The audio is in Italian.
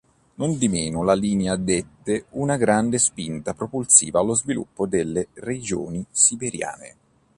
Nondimeno la linea dette una grande spinta propulsiva allo sviluppo delle regioni siberiane.